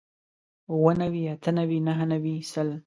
اووه نوي اتۀ نوي نهه نوي سل